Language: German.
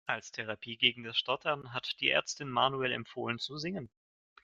Als Therapie gegen das Stottern hat die Ärztin Manuel empfohlen zu singen.